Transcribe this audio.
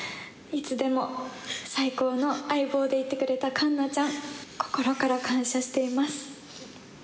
いつでも最高の相棒でいてくれた環奈ちゃん、心から感謝しています。